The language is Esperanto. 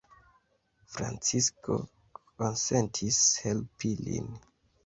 Francisko konsentis helpi lin.